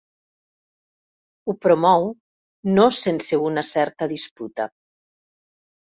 Ho promou, no sense una certa disputa.